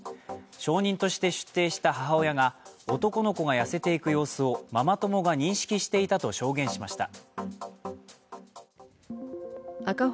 証人として出廷した母親が男の子が痩せていく様子をママ友が認識していたと証言しました。